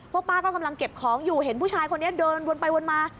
ป้าก็กำลังเก็บของอยู่เห็นผู้ชายคนนี้เดินวนไปวนมา